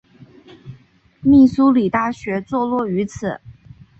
密苏里大学坐落于此。